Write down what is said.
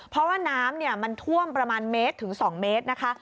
เพราะว่าน้ำมันท่วมประมาณเมตรถึง๒เมตรนะคะ